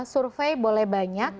survei boleh banyak